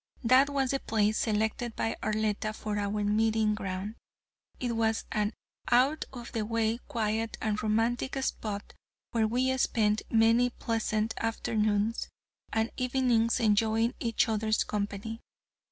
That was the place selected by Arletta for our meeting ground. It was an out of the way, quiet and romantic spot where we spent many pleasant afternoons and evenings enjoying each other's company.